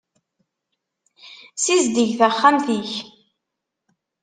Sizdeg taxxamt-ik.